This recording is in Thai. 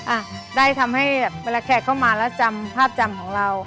อ่ะได้ทำให้แบบเวลาแขกเข้ามาแล้วจำภาพจำของเรา